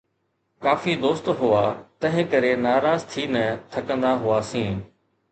ڪافي دوست هئا، تنهن ڪري ناراض ٿي نه ٿڪندا هئاسين